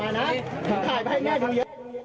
เพื่อนบ้านเจ้าหน้าที่อำรวจกู้ภัย